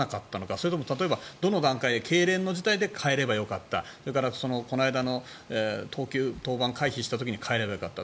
それとも例えば、どの段階でけいれんの時点で代えればよかったそれからこの間の登板を回避した時に代えればよかった。